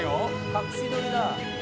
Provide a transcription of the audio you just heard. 隠し撮りだ。